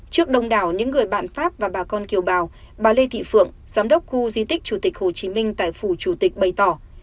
trước đông đảo những người bạn pháp và bà con kiều bào bà lê thị phượng giám đốc khu di tích chủ tịch hồ chí minh tại phủ chủ tịch bày tỏ